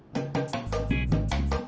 makasih ya pak